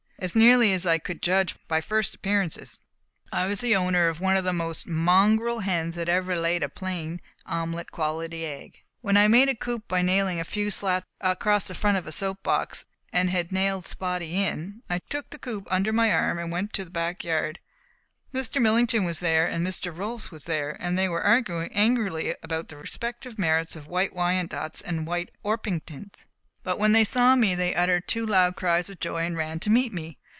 As nearly as I could judge by first appearances, I was the owner of one of the most mongrel hens that ever laid a plain, omelette quality egg. When I had made a coop by nailing a few slats across the front of a soap box, and had nailed Spotty in, I took the coop under my arm and went into the back yard. Mr. Millington was there, and Mr. Rolfs was there, and they were arguing angrily about the respective merits of White Wyandottes and White Orpingtons, but when they saw me they uttered two loud cries of joy and ran to meet me.